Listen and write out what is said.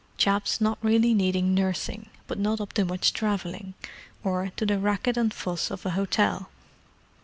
Chaps not really needing nursing, but not up to much travelling, or to the racket and fuss of an hotel."